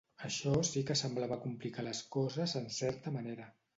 Això sí que semblava complicar les coses en certa manera.